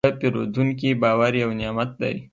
د پیرودونکي باور یو نعمت دی.